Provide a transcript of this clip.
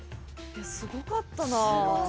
すごかったな。